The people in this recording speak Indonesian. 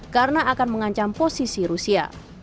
karena akan mengancam posisi rusia